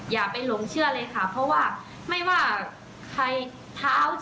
อย่าไปหลงเชื่อเลยค่ะเพราะว่าไม่ว่าท้าวแชร์หรือท้าวออมจะมีโปรไฟล์ดี